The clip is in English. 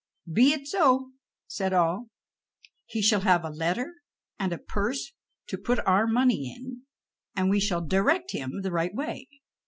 "Be it so," said all; "he shall have a letter and a purse to put our money in, and we shall direct him the right way."